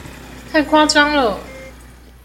太誇張了！